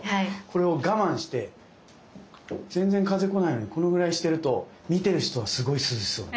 これを我慢して全然風こないのにこのぐらいにしてると見てる人はすごい涼しそう。